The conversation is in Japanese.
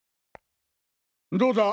どうだ？